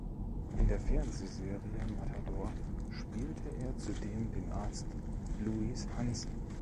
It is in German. In der Fernsehserie Matador spielte er zudem den Arzt Louis Hansen.